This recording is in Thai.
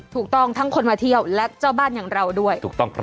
ถูกต้องทั้งคนมาเที่ยวและเจ้าบ้านอย่างเราด้วยถูกต้องครับ